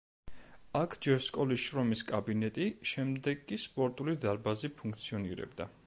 აქ ჯერ სკოლის შრომის კაბინეტი, შემდეგ კი სპორტული დარბაზი ფუნქციონირებდა.